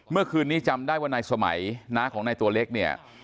เมื่อคืนนี้จำได้ว่านายสมัยน้าของนายตัวเล็กเนี่ย